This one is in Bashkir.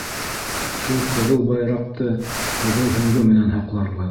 Шул ҡыҙыл байраҡты ҡыҙыл һөңгө менән һаҡларбыҙ